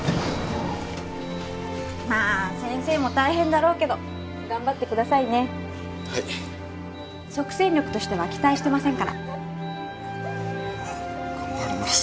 まあ先生も大変だろうけどがんばってくださいねはい即戦力としては期待してませんからがんばります